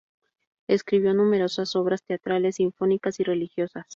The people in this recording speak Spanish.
Escribió numerosas obras teatrales, sinfónicas y religiosas.